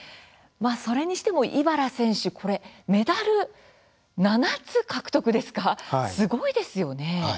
それにしても茨選手メダル、７つ獲得ですかすごいですよね。